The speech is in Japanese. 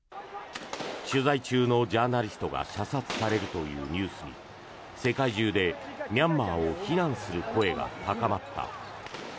取材中のジャーナリストが射殺されるというニュースに世界中でミャンマーを非難する声が高まった。